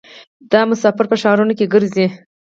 دا مسافر په ښارونو کې ګرځي.